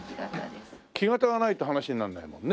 木型がないと話にならないもんね